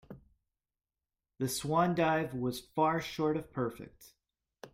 The swan dive was far short of perfect.